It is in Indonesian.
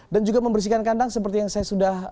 dan juga membersihkan kandang seperti yang saya sudah